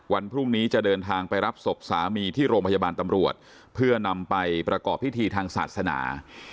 วันพรุ่งนี้จะเดินทางไปรับศพสามีที่โรงพยาบาลตำรวจเพื่อนำไปประกอบพิธีทางศาสนา